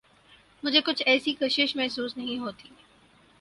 مجھے کچھ ایسی کشش محسوس نہیں ہوتی۔